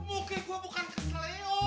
mungkin gua bukan keselio